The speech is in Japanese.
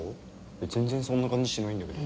全然そんな感じしないんだけど。